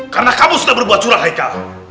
karena kamu sudah berbuat curah haikal